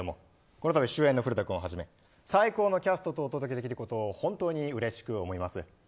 このたび主演の古田君をはじめ最高のキャストとお届けできることをうれしく思います。